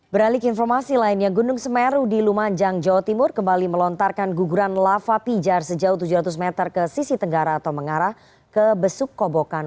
beralik informasi lainnya gunung semeru di lumajang jawa timur kembali melontarkan guguran lava pijar sejauh tujuh ratus meter ke sisi tenggara atau mengarah ke besuk kobokan